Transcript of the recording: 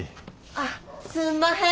あっすんまへん。